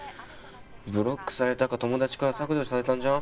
ブロックされたか友達から削除されたんじゃん？